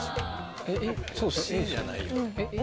Ｃじゃないよ。